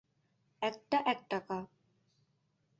একটা একটাকা।